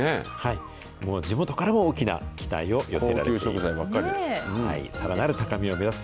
もう地元からも大きな期待を寄せられています。